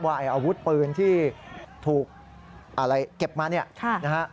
ว่าอาวุธปืนที่ถูกเก็บมานี่นะครับ